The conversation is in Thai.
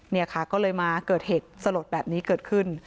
เนี่ยค่ะก็เลยมาเกิดเหตุสลดแบบนี้เกิดขึ้น